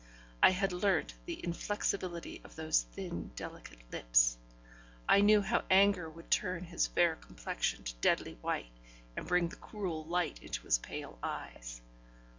I had learnt the inflexibility of those thin delicate lips; I knew how anger would turn his fair complexion to deadly white, and bring the cruel light into his pale blue eyes.